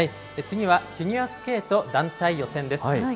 次は、フィギュアスケート団体予選です。